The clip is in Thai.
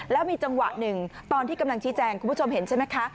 แล้วมีจังหวะหนึ่งตอนที่กำลังชี้แจงคุณผู้ชมเห็นใช่ไหมคะ